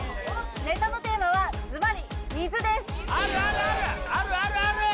ネタのテーマはズバリ「水」です